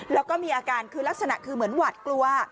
แล้วก็มีอาการคือลักษณะคือเหมือนหวัดกลัว